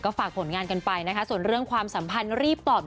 ฝากผลงานกันไปนะคะส่วนเรื่องความสัมพันธ์รีบตอบ